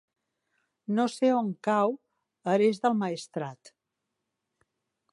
No sé on cau Ares del Maestrat.